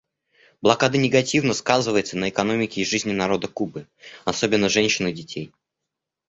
Блокада негативно сказывается на экономике и жизни народа Кубы, особенно женщин и детей.